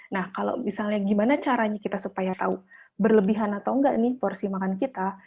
nah kalau misalnya gimana caranya kita supaya tahu berlebihan atau enggak nih porsi makan kita